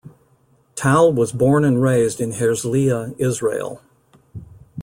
Tal was born and raised in Herzliya, Israel.